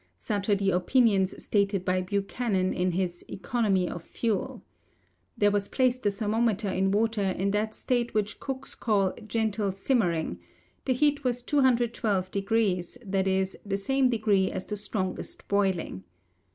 Such are the opinions stated by Buchanan in his "Economy of Fuel." There was placed a thermometer in water in that state which cooks call gentle simmering the heat was 212°, i.e., the same degree as the strongest boiling.